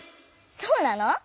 そうなの？